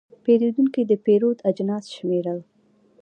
پیرودونکی د پیرود اجناس شمېرل.